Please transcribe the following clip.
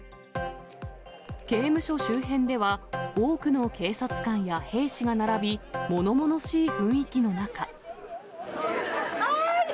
刑務所周辺では、多くの警察官や兵士が並び、ものものしい雰囲気の中。